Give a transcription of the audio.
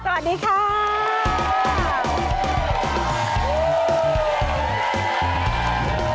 สวัสดีครับ